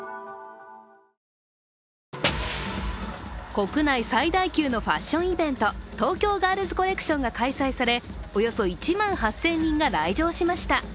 国内最大級のファッションイベント、東京ガールズコレクションが開催されおよそ１万８０００人が来場しました。